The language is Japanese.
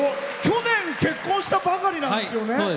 去年結婚したばかりなんですよね。